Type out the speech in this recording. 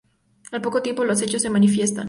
Al poco tiempo los hechos se manifiestan.